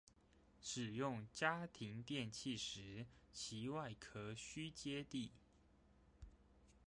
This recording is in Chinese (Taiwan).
使用家庭電器時其外殼需接地